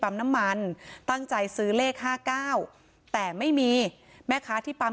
น้ำมันตั้งใจซื้อเลขห้าเก้าแต่ไม่มีแม่ค้าที่ปั๊ม